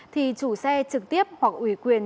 thì chủ xe trực tiếp hoặc ủy quyền